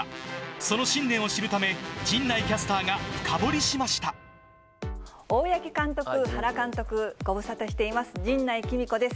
その信念を知るため、大八木監督、原監督、ご無沙汰しています、陣内貴美子です。